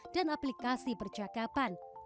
dan aplikasi percakapan